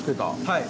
はい。